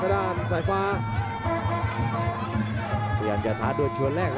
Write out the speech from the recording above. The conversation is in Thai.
พยายามจะไถ่หน้านี่ครับการต้องเตือนเลยครับ